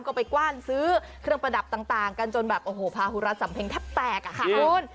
ก็ไปกว้านซื้อเครื่องประดับต่างกันจนแบบโอ้โหพาหุรัสสำเพ็งแทบแตกอะค่ะคุณ